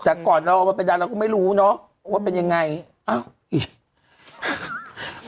เออแต่ก่อนเราเอามาไปดังเราก็ไม่รู้เนอะว่าเป็นยังไงเอ้าไอ้